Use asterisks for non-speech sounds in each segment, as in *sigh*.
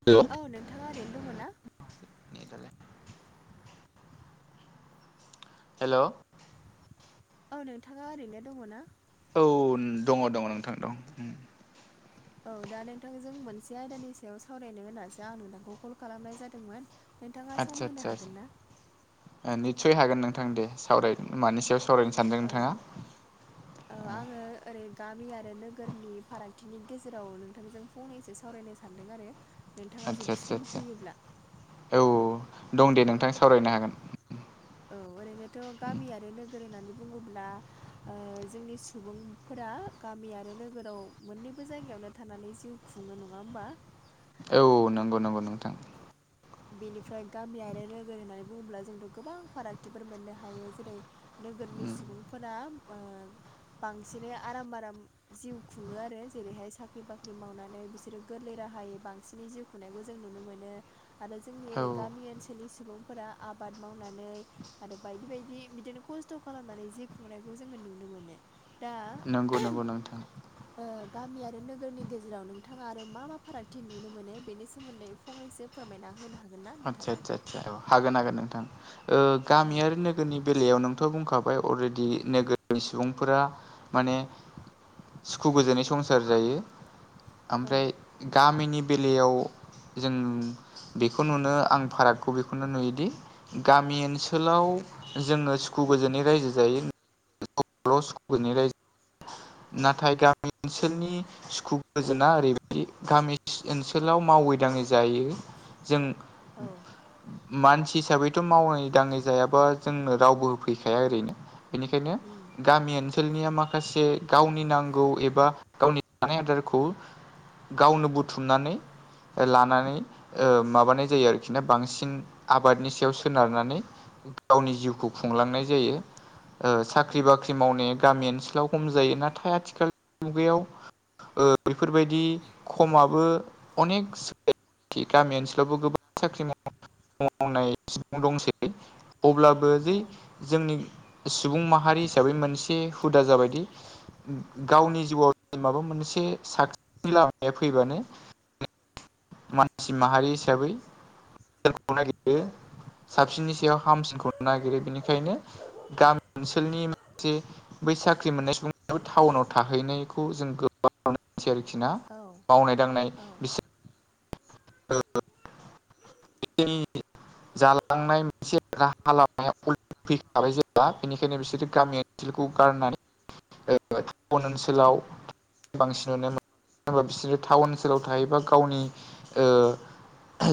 हेल' अ नोंथाङा ओरैनो दङ ना? नेडालाय हेल' अ नोंथाङा ओरैनो दङना? औ दङ दङ नोंथां दं उम औ दा नोंथांजों मोनसे आयदानि सायाव सावरायनो होननासो आं नोंथांखौ कल खालामनाय जादोंमोन। नोंथाङा सम आदसा होनो आदसा हागोन ना? ओ निस्सय हागोन नोंथां दे सावराय। मानि सायाव सावरायनो सानदों नोंथाङा? ओ आङो ओरै गामि आरो नोगोरनि फारागथिनि गेजेराव नोंथांजों फंनैसे सावरायनो सानदों आरो। नोंथाङा आदसा जुदि आदसा सम आदसा होयोब्ला औ दं दे नोंथां सावरायनो हागोन। औ ओरैनोथ' गामि आरो नोगोर होननानै बुङोब्ला जोंनि ओ सुबुंफोरा गामि आरो नोगोराव मोननैबो जायगायावनो थानानै जिउ खुङो नङा ओमबा? नगौ नंगौ नोंथां। बेनिफ्राय गामि आरो नोगोर होननानै बुङोब्ला जोंथ' गोबां फारागथिफोर मोननो हायो जेरै नोगोरनि सुबुंफोरा ओ बांसिनै आराम आराम जिउ खुङो आरो जेरैहाय साख्रि बाख्रि मावनानै बिसोरो गोरलै राहायै बांसिनै जिउ खुंनायखौ जों नुनो मोनो आरो जोंनि औ ओरै गामि ओनसोलनि सुबुंफोरा आबाद मावनानै आरो बायदि बायदि बिदिनो खस्थ' खालामनानै जि खुंनायखौ जोङो नुनो मोनो। दा नंगौ नंगौ नोंथां *inaudible* ओ गामि आरो नोगोरनि गेजेराव नोंथाङा आरो मा मा फारागथि नुनो मोनो बेनि सोमोन्दै फंनैसो फोरमायना होनो हागोन ना आदसा नोंथाङा आदसा आदसा औ हागोन हागोन नोंथां ओ गामि औ आरो नो गोरनि बेलायाव नोंथ' बुंखाबाय अलरेडि नोगोरनि सुबुंफोरा माने सुखु गोजोनै संसार जायो औ ओमफ्राय गामिनि बेलायाव जों बेखौ नुनो आं फारागखौ बेखौनो नुयोदि गामि ओनसोलाव जोङो सुखु गोजोनै रायजो जायो। *unintelligible* नाथाय गामि ओनसोलनि सुखु गोजोना ओरैबायदि गामि ओनसोलाव मावै दाङै जायो। जों औ मानसि हिसाबैथ' मावै दाङै जायाबा जोंनो रावबो होफैखाया ओरैनो बेनिखायनो उम गामि ओनसोलनिया माखासे गावनि नांगौ एबा गावनि जानाय आदारखौ गावनो बुथुमनानै ओ लानानै ओ माबानाय जायो आरोखि ना बांसिन आबादनि सायाव सोनारनानै गावनि जिउखौ खुंलांनाय जायो ओ साख साख्रि औ बाख्रि मावनाया गामि ओनसोलाव खम जायो नाथाय आथिखाल मुगायाव ओ बेफोर बायदि खमाबो अनेक सो गामि ओनसोलावबो गोबां साख्रि मावनाय *unintelligible* दंसै। अब्लाबो जै औ जोंनि सुबुं माहारि हिसाबै मोनसे हुदा जाबायदि गावनि जिउआव माबा मोनसे साक्सिनि लामाया फैबानो मानसि माहारि हिसाबै *unintelligible* खौ नागिरो। साबसिननि सायाव हामसिनखौनो नागिरो बेनिखायनो गामि ओनसोलनि माखासे बै साख्रि मोननाय सुबुंफोराबो टाउनाव थाहैनायखौ जों गोबां *unintelligible* आरोखि ना औ मावनाय दांनाय औ *unintelligible* *unintelligible* जालांनाय मोनसे राहा लामायाव फैखाबाय जेब्ला बेनिखायनो बिसोरो गामि ओनसोलखौ गारनानै ओ टाउन ओनसोलाव बांसिनानो *unintelligible* मानो होनबा बिसोरो टाउन ओनसोलाव थायोबा गावनि ओ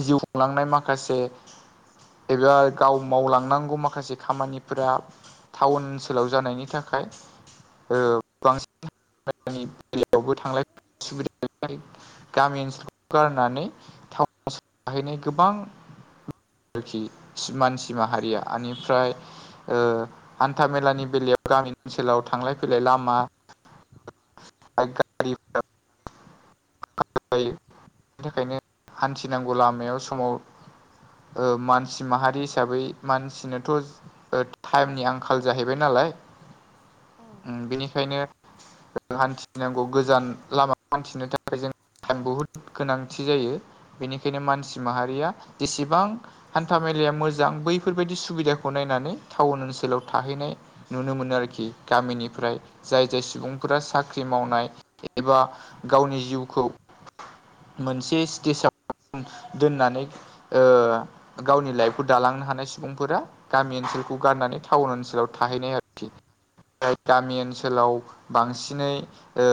जिउ खुंलांनाय माखासे एबा गाव मावलांनांगौ माखासे खामानिफोरा टाउन ओनसोलाव जानायनि थाखाय ओ बांसिन *unintelligible* *unintelligible* बेलायावबो थांलाय सुबिदा *unintelligible* गामि ओनसोलखौ गारनानै टाउन थाहैनाय गोबां *unintelligible* आरोखि सि-मानसि माहारिया आनिफ्राय ओ हान्था मेलानि बेलायाव गामि ओनसोलाव थांलाय फैलाय लामा- आ *unintelligible* *unintelligible* थाखायनो हान्थिनांगौ लामायाव समाव ओ मानसि माहारि हिसाबै मानसिनोथ' ओ टाइमनि आंखाल जाहैबाय नालाय औ। उम बेनिखायनो ओ हान्थिनांगौ गोजान लामा हान्थिनो थाखाय जों टाइम बहुद गोनांथि जायो। बेनिखायनो मानसि माहारिया जेसेबां हान्था मेलाया मोजां बैफोरबायाददि सुबिदाखौ नायनानै टाउन ओनसोलाव थाहैनाय नुनो मोनो आरोखि गामिनिफ्राय औ जाय जाय सुबुं फुरा साख्रि मावनाय एबा गावनि जिउखौ मोनसे स्टेजाव दोननानै ओ गावनि लाइफखौ दालांनो हानाय सुबुंफोरा गामि ओनसोलखौ गाननानै टाउन ओनसोलाव थाहैनाय आरोखि जाय गामि ओनसोलाव बांसिनै ओ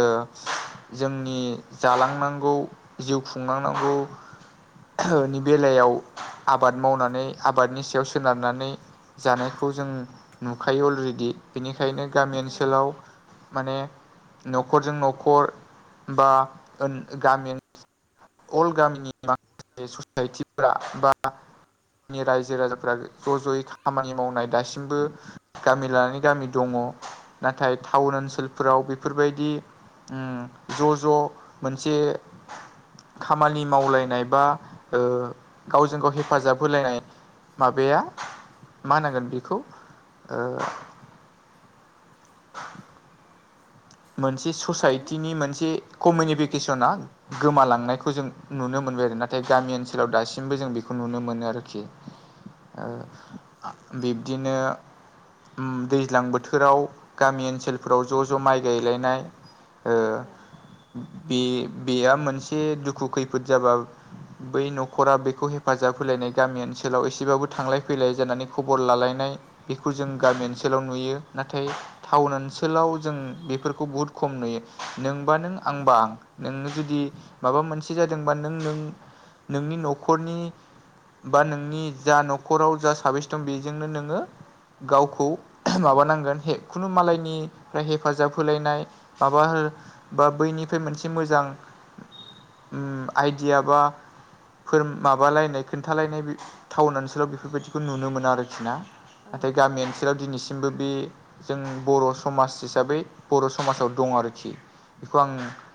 जोंनि जालांनांगौ जिउ खुंलांनांगौ *inaudible* नि बेलायाव आबाद मावनानै आबादनि सायाव सोनारनानै जानायखौ जों नुखायो अलरेडि बेनिखायनो गामि औ ओनसोलाव माने न'खरजों न'खर बा ओन गामि अल गामिनि माखासे ससाइटिफोरा बा नि जोंनि रायजो राजाफ्रा ज' ज'यै खामानि मावनाय दासिमबो गामि लानानै गामि दङ' नाथाय टाउन ओनसोलफोराव बेफोरबायदि उम ज' ज' मोनसे खामानि मावलायनाय बा ओ गावजों गाव हेफाजाब होलायनाय माबाया मा होनांगोन बेखौ ओ मोनसे बिदिनो ससाइटिनि मोनसे औ औ कमिउनिफिकेसना गोमालांनायखौ जों नुनो मोनबाय आरो नाथाय गामि ओनसोलाव दासिमबो जों बेखौ नुनो मोनो आरोखि। ओ औ आ बिब्दिनो दैज्लां बोथोराव गामि ओनसोलफोराव ज' ज' माइ गायलायनाय ओ बे बेया मोनसे दुखु खैफोद जाबा बै न'खरा बेखौ हेफाजाब होलायनाय गामि ओनसोलाव एसेबाबो थांलाय फैलाय जानानै खबर लालायनाय बेखौ जों गामि ओनसोलाव नुयो नाथाय टाउन ओनसोलाव जों बे बेफोरखौ बुहुद खम नुयो नोंबा नों आंबा आं नोङो जुदि माबा मोनसे जादोंबा नों नों नोंनि न'खरनि बा नोंनि जा न'खराव जा साबेसे दं बेजोंनो नोङो गावखौ माबानांगोन खुनु मालायनिफ्राय हेफाजाब होलायनाय माबा बा बैनिफ्राय मोनसे मोजां उम आइडिया बा फोर माबालायनाय खोन्थालायनाय टाउन ओनसोलाव बेफोरबायदिखौ नुनो मोनो आरोखि ना औ नाथाय गामि ओनसोलाव दिनैसिमबो बे जों बर' समाज हिसाबै बर' समाजाव दं आरोखि बेखौ आं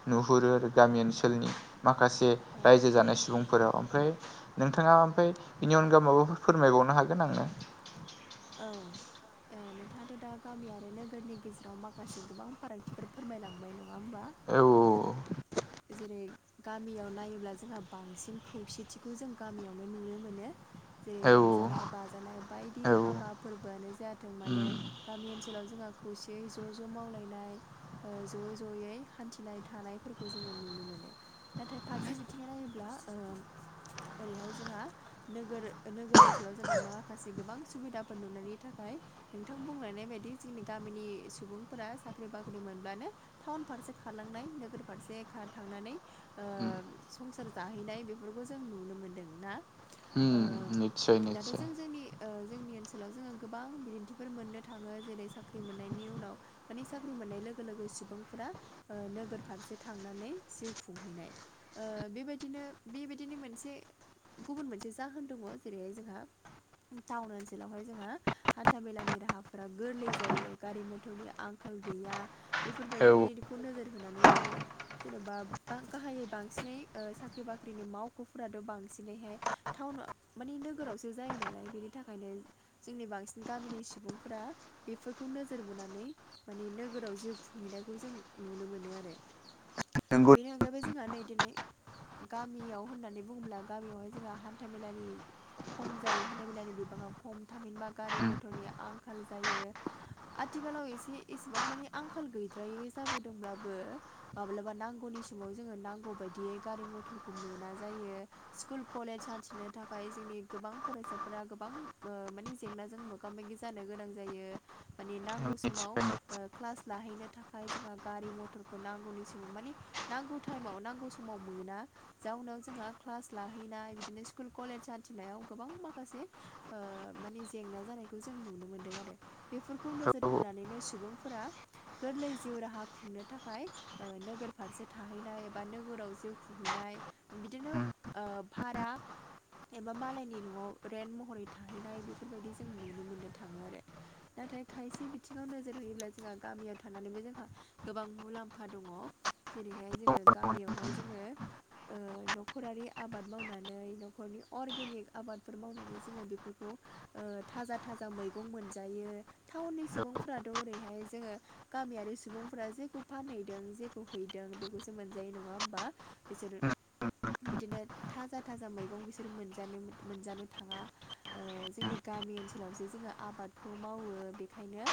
नुहुरो आरो गामि ओनसोलनि माखासे रायजो जानाय सुबुं फोराव ओमफ्राय नोंथाङा ओमफ्राय बेनि अनगा माबाफोर फोरमायबावनो हागोन आङो औ नोंथाङाथ' दा गामि आरो नोगोरनि गेजेराव माखासे गोबां फारागथिफोर फोरमायलांबाय नङा होमबा औ-औ जेरै गामियाव नायोब्ला जोंहा बांसिन खौसेथिखौ जों गामियावनो नुनो मोनो जेरै औ रंजानाय बाजानाय बायदि औ हाबा फोरबोआनो जायाथों मानोे उम गामि ओनसोलाव जोंहा खौसेयै ज' ज' मावलायनाय ज' ज'यै हान्थिनाय थानायफोरखौ जोङो नुनो मोनो नाथाय फारसे बिथिङै नायो ब्ला ओरैहाय जोंहा नोगोर नोगोर ओनसोलाव जों माखासे गोबां सुबिदाफोर नुनानै थाखाय नोंथां बुंलायनाय बायदि जोंनि गामिनि सुबुंफोरा साख्रि बाख्रि मोनब्लानो टाउन फारसे खारलांनाय नोगोर फारसे खा थांनानै उम संसार जाहैनाय बेफोरखौ जों नुनो मोनदों ना उम निस्सय दाथ' निस्सय जों जोंनि जोंनि ओनसोलाव जोङो गोबां बिदिन्थिफोर मोननो थाङो जेरै साख्रि मोननायनि उनाव माने साख्रि मोननाय लोगो लोगो सुबुंफोरा नोगोर फारसे थांनानै जिउ खुंहैनाय बेबायदिनो बेबायदिनो मोनसे गुबुन मोनसे जाहोन दङ जेरैहाय जोंहा टाउन ओनसोलावहाय जोंहा हान्था मेलानि राहाफोरा गोरलै जायो गारि मथरनि आंखाल गैया औ बेफोरबायदिखौ नोजोर होनानै माने जेन'बा गाहायै बांसिनै साख्रि बाख्रिनि मावख'फोराथ' बांसिनैहाय टाउनाव मानि नोगोरावसो जायो नालाय बेनि थाखायनो जोंनि बांसिन गामिनि सुबुंफोरा बेफोरखौ नोजोर बोनानै माने नोगोराव जिउ खुंहैनायखौ जों नुनो मोनो आरो नंगौ बेनि अनगायैबो जोंहा नै दिनै गामियाव होननानै बुङोब्ला गामियावहाय जोंहा हान्थामेलानि खम जायो हान्था मेलानि बिबाङा खम थामहिनबा गारि मथरनि आंखाल जायो आथिखालाव इसे इसिबां मानि आंखाल गैद्रायै जाबोदोंब्लाबो माब्लाबा नांगौनि समाव जोङो नांगौ बायदियै गारि मथरखौ मोना जायो स्कुल कलेज हान्थिनो थाखाय जोंनि गोबां फरायसाफोरा गोबां माने जेंनाजों मो गा मोगि जानो गोनां जायो माने नांगौ समाव निस्सय क्लास लाहैनो थाखाय जोंहा गारि मथरखौ नांगौनि समाव माने नांगौ टाइमाव नांगौ समाव मोना जाउनाव जोंहा क्लास लाहैनाय बिदिनो स्कुल कलेज हान्थिनायाव गोबां माखासे ओ माने जेंना जानायखौ जों नुनो मोनदों आरो। बेफोरखौ नोजोर होनानैनो सुबुंफोरा गोरलै जिउ राहा खुंनो थाखाय ओ नोगोर फारसे थाहैनाय एबा नोगोराव जिउ खुंहैनाय बिदिनो ओ भारा एबा मालायनि न'आव रेन्ट महरै थाहैनाय बेफोरबायदि जों नुनो मोननो थाङो आरो। नाथाय खायसे बिथिङाव नोजोर होयोब्ला जोंहा गामियाव थानानैबो जोंहा गोबां मुलाम फा दङ जेरैहाय जोङो गामियावहाय जोङो ओ न'खरारि आबाद मावनानै न'खरनि अर्गेनिक आबादफोर मावनानै जोङो बेफोरखौ ओ थाजा थाजा मैगं मोनजायो टाउननि सुबुंफ्राथ' ओरैहाय जोङो गामियारि सुबुंफोरा जेखौ फानहैदों जेखौ हैदों बेखौसो मोनजायो नङा होमबा बिसोरो औ बिदिनो थाजा थाजा मैगं बिसोर मोनजानो मोनजानो थाङा। जोंनि गामि ओनसोलावसो जोङो आबादखौ मावो बेखायनो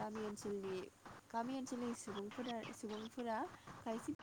गामि ओनसनि गामि ओनसोलनि सुबुंफोरा सुबुंफोरा खायसे